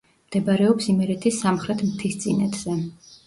მდებარეობს იმერეთის სამხრეთ მთისწინეთზე.